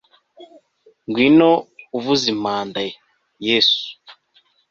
ngwino uvuza impanda, yesu